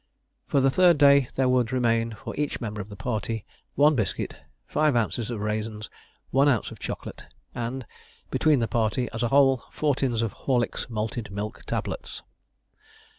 For the third day, there would remain for each member of the party one biscuit, 5 oz. of raisins, 1 oz. of chocolate; and, between the party as a whole, four tins of Horlick's malted milk tablets.